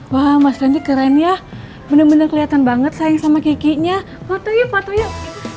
wah mas randy keren ya bener bener kelihatan banget sayang sama kikinya foto yuk foto yuk